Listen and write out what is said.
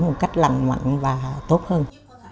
một cách lành mạnh và tốt hơn